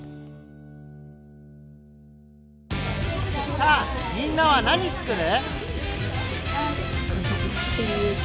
さあみんなは何つくる？